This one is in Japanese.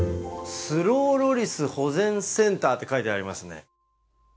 「スローロリス保全センター」って書いてありますね。